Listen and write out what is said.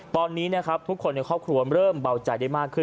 ตอนนี้นะครับทุกคนในครอบครัวเริ่มเบาใจได้มากขึ้น